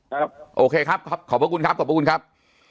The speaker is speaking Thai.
ครับโอเคครับครับขอบคุณครับขอบคุณครับ